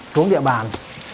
xuống địa bàn